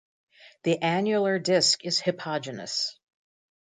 The annular disk is hypogynous.